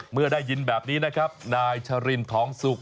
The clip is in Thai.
เมื่อได้ยินแบบนี้นะครับนายชรินทองสุก